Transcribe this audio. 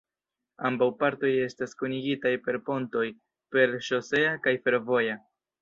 Ambaŭ partoj estas kunigitaj per pontoj: per ŝosea kaj fervoja.